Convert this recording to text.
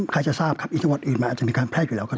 ใครจะทราบครับอีกจังหวัดอื่นมันอาจจะมีการแพร่อยู่แล้วก็ได้